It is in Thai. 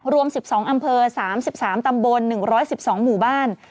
รวม๑๒อำเภอ๓๓ตำบล๑๑๒หมู่บ้าน